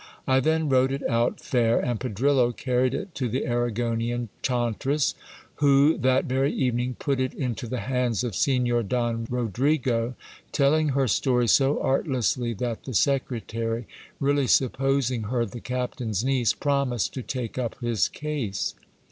I then wrote it out fair, and Pedrillo carried it to the Arragonian chauntress, who that very even ing put it into the hands of Signor Don Rodrigo, telling her story so artlessly that the secretary, really supposing her the captain's niece, promised to take up his case.